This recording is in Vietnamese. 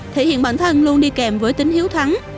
thể hiện bản thân luôn đi kèm với tính hiếu thắng